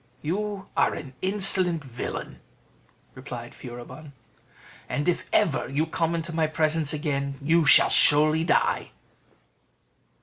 "You are an insolent villain!" replied Furibon, "and if ever you come into my presence again, you shall surely die."